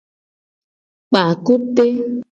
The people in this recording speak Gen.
Kpa kute.